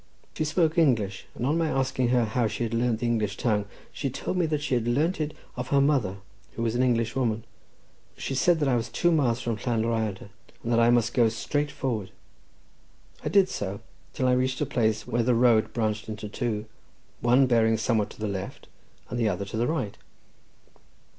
She spoke English, and on my asking her how she had learnt the English tongue, she told me that she had learnt it of her mother, who was an English woman. She said that I was two miles from Llan Rhyadr, and that I must go straight forward. I did so, till I reached a place where the road branched into two, one bearing somewhat to the left, and the other to the right.